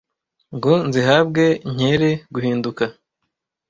Ngo nzihabwe nkere guhinduka